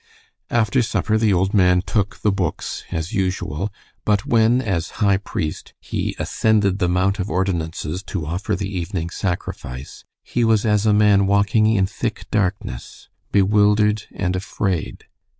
After supper the old man "took the Books" as usual, but when, as High Priest, he "ascended the Mount of Ordinances to offer the evening sacrifice," he was as a man walking in thick darkness bewildered and afraid.